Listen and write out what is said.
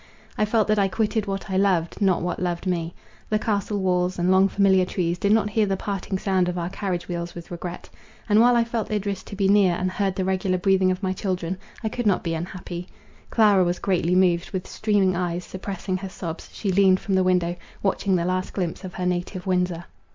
I felt that I quitted what I loved, not what loved me. The castle walls, and long familiar trees, did not hear the parting sound of our carriage wheels with regret. And, while I felt Idris to be near, and heard the regular breathing of my children, I could not be unhappy. Clara was greatly moved; with streaming eyes, suppressing her sobs, she leaned from the window, watching the last glimpse of her native Windsor.